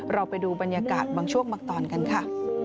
เราไปดูบรรยากาศบางช่วงบางตอนกันค่ะ